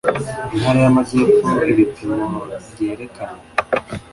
intara y amajyepfo ibipimo byerekana